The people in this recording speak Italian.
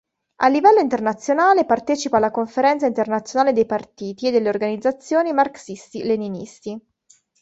A livello internazionale, partecipa alla Conferenza Internazionale dei Partiti e delle Organizzazioni Marxisti-Leninisti.